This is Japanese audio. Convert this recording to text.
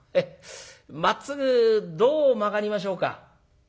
まっすぐどう曲がりましょうか」。